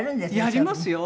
やりますよ。